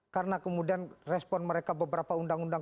karena kemudian respon mereka beberapa undang undang